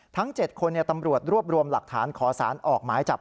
ทั้ง๗คนตำรวจรวบรวมหลักฐานขอสารออกหมายจับ